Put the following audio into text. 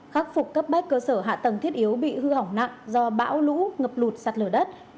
khắc phục cấp bách cơ sở hạ tầng thiết yếu bị hư hỏng nặng do bão lũ ngập lụt sạt lở đất